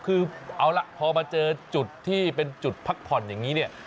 คือเอาล่ะพอมาเจอจุดที่เป็นจุดพักผ่อนอย่างนี้เนี่ย